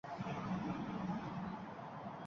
Faqir kishi baliqchining yoniga borib